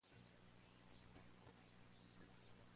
Tiene una gran fachada barroca.